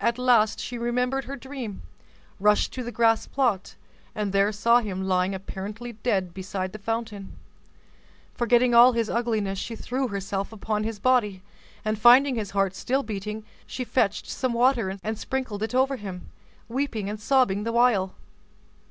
At last she remembered her dream, rushed to the grass plot, and there saw him lying apparently dead beside the fountain. Forgetting all his ugliness, she threw herself upon his body, and finding his heart still beating, she fetched some water and sprinkled it over him, weeping and sobbing the while.